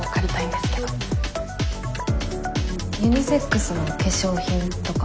ユニセックスの化粧品とか。